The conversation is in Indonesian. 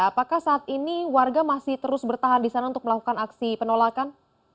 apakah saat ini warga masih terus bertahan di sana untuk melakukan aksi penolakan